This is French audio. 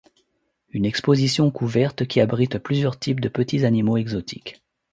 Une exposition couverte qui abrite plusieurs types de petits animaux exotiques.